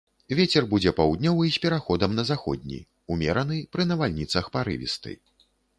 Вецер будзе паўднёвы з пераходам на заходні, умераны, пры навальніцах парывісты.